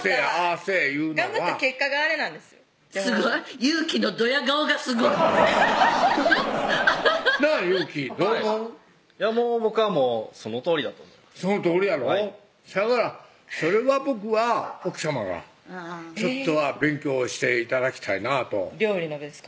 せやからそれは僕は奥さまがちょっとは勉強して頂きたいなと料理のですか？